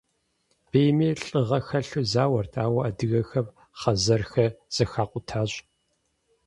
Бийми лӏыгъэ хэлъу зауэрт, ауэ адыгэхэм хъэзэрхэр зэхакъутащ.